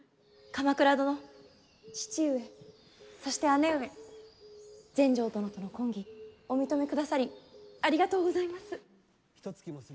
鎌倉殿父上そして姉上全成殿との婚儀お認め下さりありがとうございます。